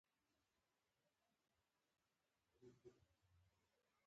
استاده نن مو ډیر ګټور معلومات ترلاسه کړل